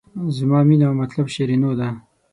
زما مینه او مطلب شیرینو ده.